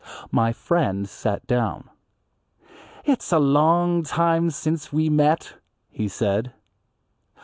My friend sat down. "It's a long time since we met," he said.